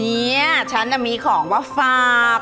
นี่ฉันน่ะมีของมาฝาก